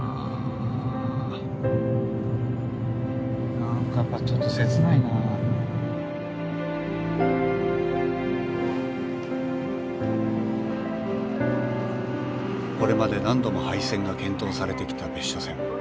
何かやっぱちょっとこれまで何度も廃線が検討されてきた別所線。